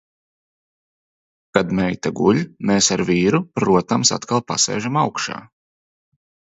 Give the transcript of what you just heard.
Kad meita guļ, mēs ar vīru, protams, atkal pasēžam augšā.